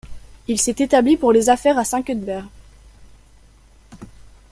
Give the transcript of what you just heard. Il s'est établi pour les affaires à Saint-Cuthbert.